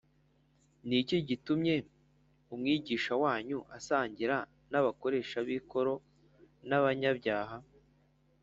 “ni iki gitumye umwigisha wanyu asangira n’abakoresha b’ikoro n’abanyabyaha?”